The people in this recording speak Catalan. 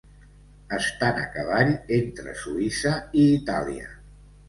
Estan a cavall entre Suïssa i Itàlia.